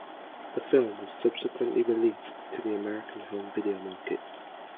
The film was subsequently released to the American home video market.